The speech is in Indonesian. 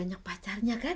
ini dia pacarnya kan